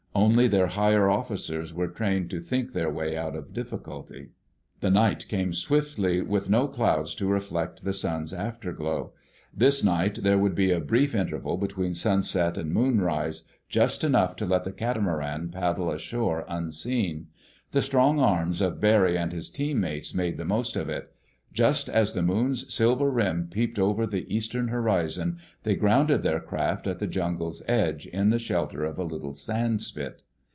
Only their higher officers were trained to think their way out of a difficulty. The night came swiftly, with no clouds to reflect the sun's afterglow. This night there would be a brief interval between sunset and moonrise—just enough to let the catamaran paddle ashore unseen. The strong arms of Barry and his teammates made the most of it. Just as the moon's silver rim peeped over the eastern horizon, they grounded their craft at the jungle's edge, in the shelter of a little sandspit.